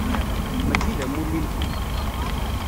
Mačči d amulli-nkent.